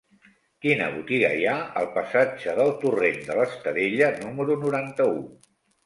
Quina botiga hi ha al passatge del Torrent de l'Estadella número noranta-u?